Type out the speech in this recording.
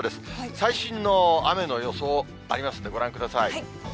最新の雨の予想、ありますんで、ご覧ください。